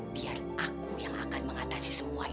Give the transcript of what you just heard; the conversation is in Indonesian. biar aku yang akan mengatasi semua ini